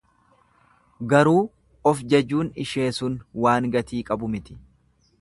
Garuu of-jajuun ishee sun waan gatii qabu miti.